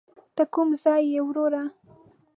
ته کوم ځای یې وروره.